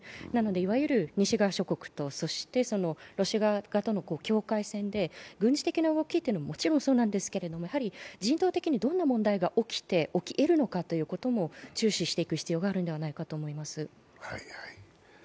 いわゆる西側諸国とロシア側との境界線で軍事的な動きももちろんそうなんですけれども、人道的にどんな問題が起きて起きえるのかを注視していく必要があるんではないかと思います。